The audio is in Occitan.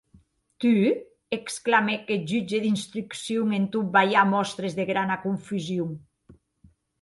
Tu?, exclamèc eth jutge d’instrucción, en tot balhar mòstres de grana confusion.